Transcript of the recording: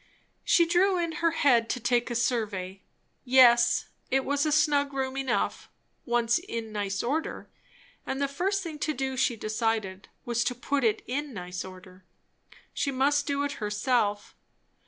She drew in her head to take a survey. Yes, it was a snug room enough, once in nice order; and the first thing to do, she decided, was to put it in nice order. She must do it herself.